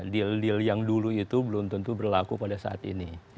deal deal yang dulu itu belum tentu berlaku pada saat ini